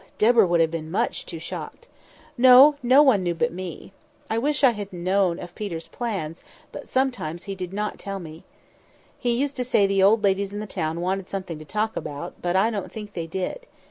Deborah would have been too much shocked. No, no one knew but me. I wish I had always known of Peter's plans; but sometimes he did not tell me. He used to say the old ladies in the town wanted something to talk about; but I don't think they did.